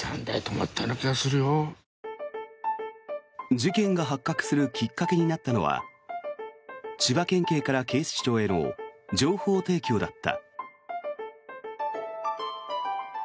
事件が発覚するきっかけになったのは千葉県警から警視庁への情報提供だった。